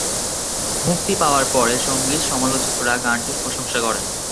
মুক্তি পাওয়ার পরে সংগীত-সমালোচকরা গানটির প্রশংসা করেন।